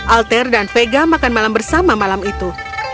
alter dan vega makan malam bersama malam itu